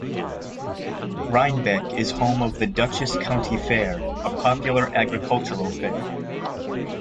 Rhinebeck is home of the Dutchess County Fair, a popular agricultural fair.